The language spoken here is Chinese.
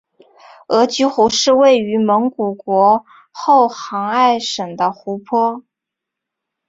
额吉湖是位于蒙古国后杭爱省的湖泊。